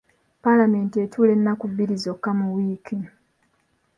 Palamenti etuula ennaku bbiri zokka mu wiiki.